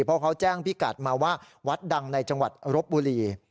เพราะเขาแจ้งพี่กัดมาว่าวัดดังในจังหวัดรบบุรี